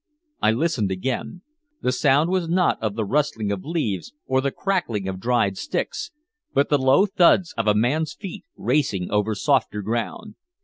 I listened again. The sound was not of the rustling of leaves or the crackling of dried sticks, but the low thuds of a man's feet racing over softer ground.